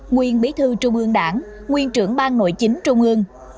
nguyên bí thư trung ương đảng nguyên trưởng ban nội chính trung ương